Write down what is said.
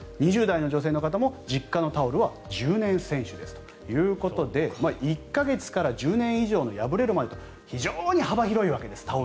２０代の女性の方も実家のタオルは１０年選手ですということで１か月から１０年以上の破れるまでと非常に幅広いわけです